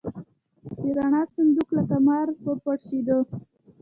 د رڼا صندوق لکه مار وپرشېده.